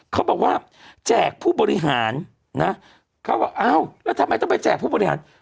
เขาบอกว่าแจกผู้บริหารนะเขาบอกอ้าวแล้วทำไมต้องไปแจกผู้บริหาร